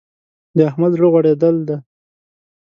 د احمد زړه غوړېدل دی.